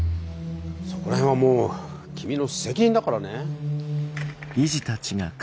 そこら辺はもう君の責任だからね。